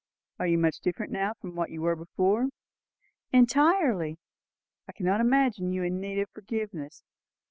"Are you much different now from what you were before?" "Entirely." "I cannot imagine you in need of forgiveness.